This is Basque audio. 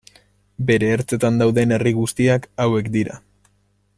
Bere ertzetan dauden herri guztiak hauek dira.